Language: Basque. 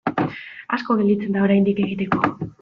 Asko gelditzen da oraindik egiteko.